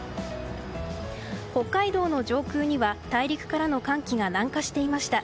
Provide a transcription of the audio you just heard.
北海道の上空には大陸からの寒気が南下していました。